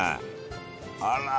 あら！